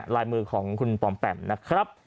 ลายมือของคุณปอมแปมนะครับ